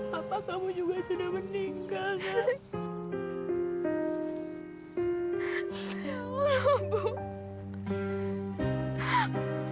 bapak kamu juga sudah meninggal